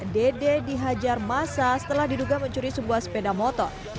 dede dihajar masa setelah diduga mencuri sebuah sepeda motor